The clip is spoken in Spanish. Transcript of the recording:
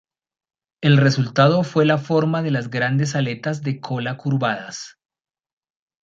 El resultado fue la forma de las grandes aletas de cola curvadas.